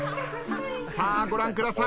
さあご覧ください。